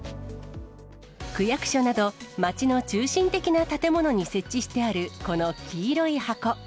区役所など、町の中心的な建物に設置してある、この黄色い箱。